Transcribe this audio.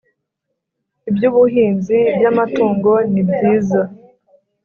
ibyubuhinzi, iby’amatungo. Ni byiza